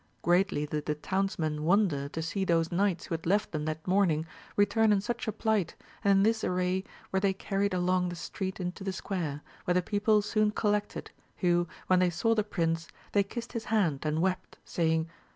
Greatly did the townsmen wonder to see those knights who had left them that morning, return in such a plight, and in this array were they carried along the street into the square, where the people soon col lected, who, when they saw the prince, they kissed his hand and wept, saying.